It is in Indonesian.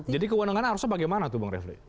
jadi kewenangan harusnya bagaimana tuh bang refli